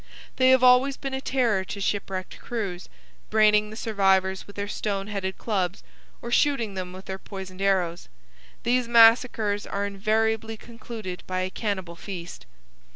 They have always been a terror to shipwrecked crews, braining the survivors with their stone headed clubs, or shooting them with their poisoned arrows. These massacres are invariably concluded by a cannibal feast.